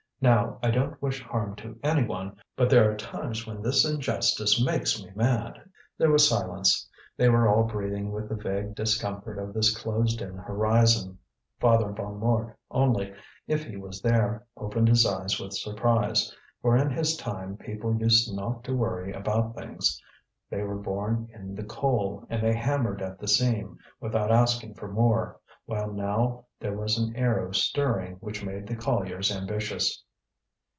Now, I don't wish harm to any one, but there are times when this injustice makes me mad." There was silence; they were all breathing with the vague discomfort of this closed in horizon. Father Bonnemort only, if he was there, opened his eyes with surprise, for in his time people used not to worry about things; they were born in the coal and they hammered at the seam, without asking for more; while now there was an air stirring which made the colliers ambitious.